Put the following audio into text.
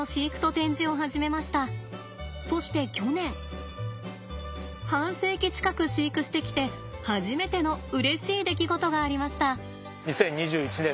そして去年半世紀近く飼育してきて初めてのうれしい出来事がありました。